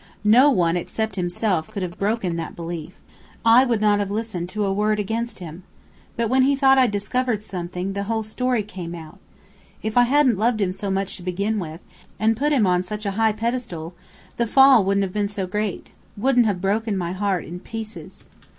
No one except himself could have broken that belief. I would not have listened to a word against him. But when he thought I'd discovered something, the whole story came out. If I hadn't loved him so much to begin with, and put him on such a high pedestal, the fall wouldn't have been so great wouldn't have broken my heart in pieces."